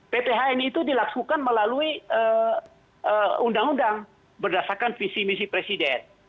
pph ini dilaksukan melalui undang undang berdasarkan visi visi presiden